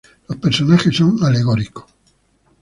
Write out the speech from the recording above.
Los personajes son alegóricos.